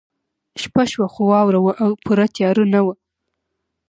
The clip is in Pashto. شپه شوه خو واوره وه او پوره تیاره نه وه